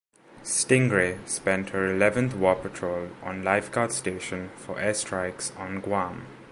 "Stingray" spent her eleventh war patrol on lifeguard station for air strikes on Guam.